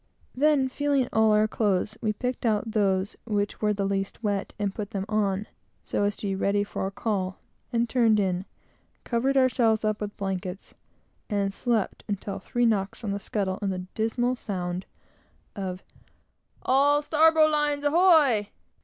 Then, feeling of all our clothes, we picked out those which were the least wet, and put them on, so as to be ready for a call, and turned in, covered ourselves up with blankets, and slept until three knocks on the scuttle and the dismal sound of "All starbowlines ahoy!